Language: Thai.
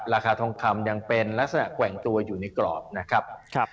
ราคาทองคำยังเป็นลักษณะแกว่งตัวอยู่ในกรอบนะครับ